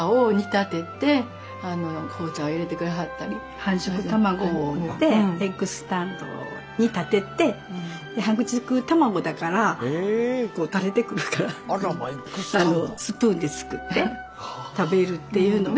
半熟卵でエッグスタンドに立ててで半熟卵だからこう垂れてくるからスプーンですくって食べるっていうのが。